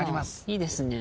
いいですね。